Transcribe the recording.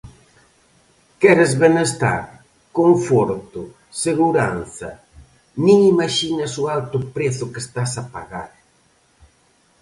Queres benestar, conforto, seguranza...? nin imaxinas o alto prezo que estás a pagar...